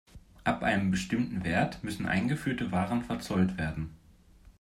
Ab einem bestimmten Wert müssen eingeführte Waren verzollt werden.